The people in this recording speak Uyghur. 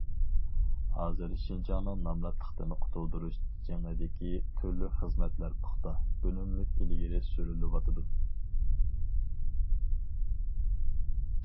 ھازىر شىنجاڭنىڭ نامراتلىقتىن قۇتۇلدۇرۇش جېڭىدىكى تۈرلۈك خىزمەتلەر پۇختا، ئۈنۈملۈك ئىلگىرى سۈرۈلۈۋاتىدۇ.